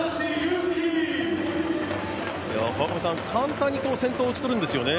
簡単に先頭を打ち取るんですよね。